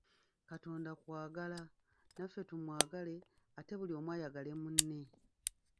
Katonda kwagala, naffe tumwagale ate buli omu ayagale munne.